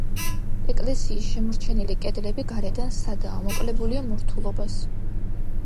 ეკლესიის შემორჩენილი კედლები გარედან სადაა, მოკლებულია მორთულობას.